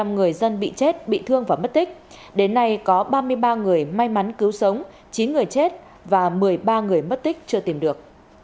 một mươi người dân bị chết bị thương và mất tích đến nay có ba mươi ba người may mắn cứu sống chín người chết và một mươi ba người mất tích chưa tìm được